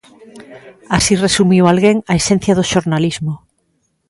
Así resumiu alguén a esencia do xornalismo.